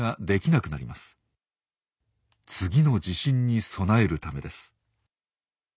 次の地震に備えるためです。